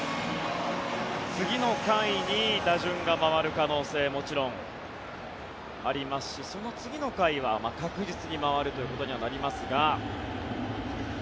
次の回に打順が回る可能性はもちろんありますしその次の回は確実に回るということにはなりますが。